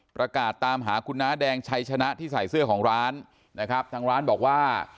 ประกาศตามหาคุณน้าแดงชัยชนะที่ใส่เสื้อของร้านนะครับทางร้านบอกว่า